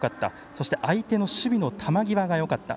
そして、相手の守備の球際がよかった。